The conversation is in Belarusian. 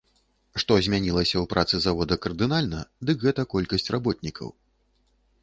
Што змянілася ў працы завода кардынальна, дык гэта колькасць работнікаў.